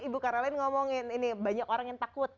ibu karalin ngomongin ini banyak orang yang takut